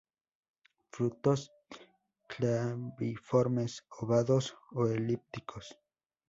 Frutos claviformes, ovados o elípticos.